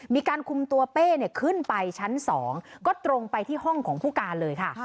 มีการคุมตัวเป้ขึ้นไปชั้น๒ก็ตรงไปที่ห้องของผู้การเลยค่ะ